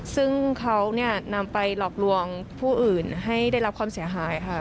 ซึ่งเขานำไปหลอกลวงผู้อื่นให้ได้รับความเสียหายค่ะ